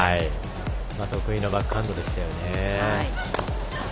得意のバックハンドでしたよね。